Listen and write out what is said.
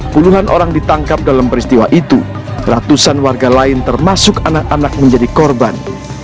puluhan orang ditangkap dalam peristiwa itu ratusan warga lain termasuk anak anak menjadi korban